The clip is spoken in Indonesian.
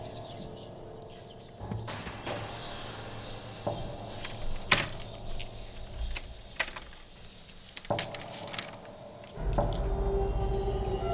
terima kasih ya pak pak